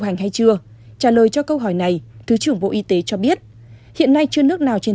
hành hay chưa trả lời cho câu hỏi này thứ trưởng bộ y tế cho biết hiện nay chưa nước nào trên